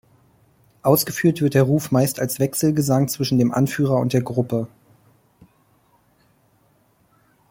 Ausgeführt wird der Ruf meist als Wechselgesang zwischen dem Anführer und der Gruppe.